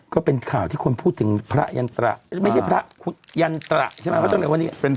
เขาเป็นข่าวที่คุณพูดถึงพระยันตระไม่ใช่พระยันตะใช่ไหม